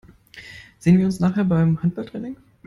Sehen wir uns nachher beim Handballtraining?